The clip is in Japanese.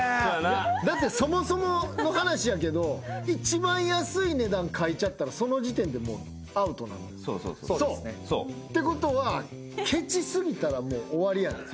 だってそもそもの話やけど一番安い値段書いちゃったらその時点でもうアウトなんで。ってことはケチ過ぎたらもう終わりや。